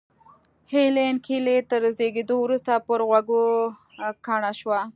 هېلېن کېلر تر زېږېدو وروسته پر غوږو کڼه شوه